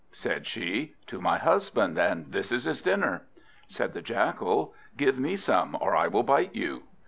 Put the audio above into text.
Said she, "To my husband, and this is his dinner." Said the Jackal, "Give me some, or I will bite you."